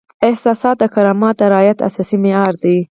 احساسات د کرامت د رعایت اساسي معیار دی.